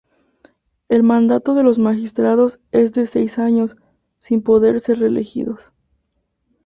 El mandato de los Magistrados es de seis años, sin poder ser reelegidos.